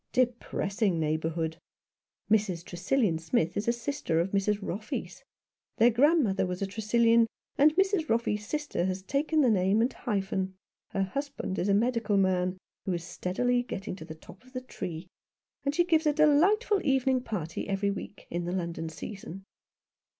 " Depressing neighbourhood !"" Mrs. Tresillian Smith is a sister of Mrs. Roffey's. Their grandmother was a Tresillian, and Mrs. Roffey's sister has taken the name and hyphen. Her husband is a medical man who is steadily getting to the top of the tree, and she gives a delightful evening party every week, in the London season."